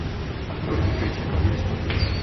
Byl vynikajícím klavíristou.